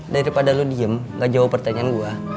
daripada lo diem gak jawab pertanyaan gue